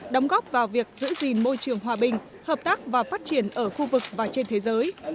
đóng góp vào việc giữ gìn môi trường hòa bình hợp tác và phát triển ở khu vực và trên thế giới